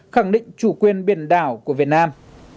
khẳng định chủ quyền biển đảo của việt nam